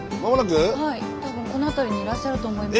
はい多分この辺りにいらっしゃると思います。